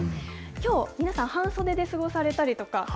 きょう、皆さん、半袖で過ごされたりとか？